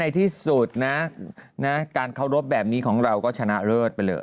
ที่สุดนะการเคารพแบบนี้ของเราก็ชนะเลิศไปเลย